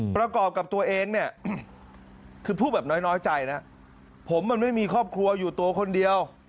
ประกอบกับตัวเองเนี่ยคือพูดแบบน้อยใจนะผมมันไม่มีครอบครัวอยู่ตัวคนเดียว